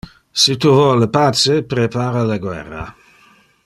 Si tu vole pace, prepara le guerra.